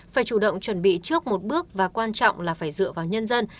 phải chủ động chuẩn bị trước một bước và quan trọng là phải dựa vào nhân dân